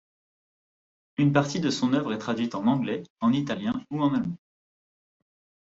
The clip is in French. Une partie de son œuvre est traduite en anglais, en italien ou en allemand.